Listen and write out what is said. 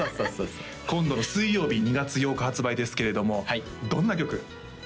今度の水曜日２月８日発売ですけれどもどんな曲？